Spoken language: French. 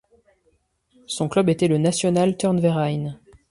Son club était le National Turnverein.